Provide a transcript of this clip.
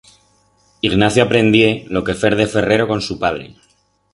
Ignacio aprendié lo quefer de ferrero con su padre.